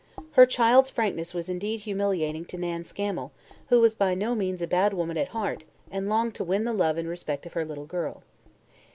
Her child's frankness was indeed humiliating to Nan Scammel, who was by no means a bad woman at heart and longed to win the love and respect of her little girl.